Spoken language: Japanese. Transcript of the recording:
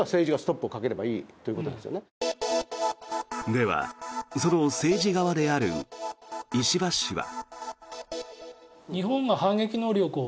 では、その政治側である石破氏は。